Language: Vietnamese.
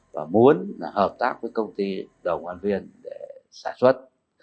và muốn hợp tác với công ty đồng an viên để sản xuất